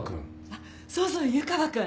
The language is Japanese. あっそうそう湯川君。